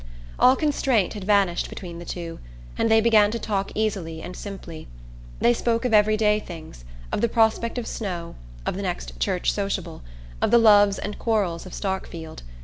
All constraint had vanished between the two, and they began to talk easily and simply. They spoke of every day things, of the prospect of snow, of the next church sociable, of the loves and quarrels of Starkfield.